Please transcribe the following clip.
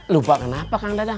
lupa kenapa kang dadang